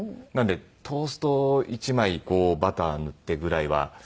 なのでトースト１枚こうバター塗ってぐらいは。